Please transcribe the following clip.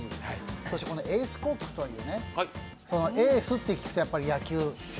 そしてエースコックという、エースと聞くとやっぱり野球。